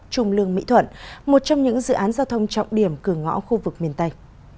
trung lương mỹ thuận một trong những dự án giao thông trọng điểm cửa ngõ khu vực miền tây